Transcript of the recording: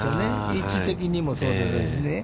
位置的にもそうですしね。